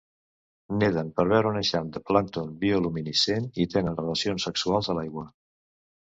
Neden per veure un eixam de plàncton bioluminescent i tenen relacions sexuals a l'aigua.